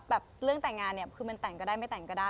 แบบเรื่องแต่งงานเนี่ยคือมันแต่งก็ได้ไม่แต่งก็ได้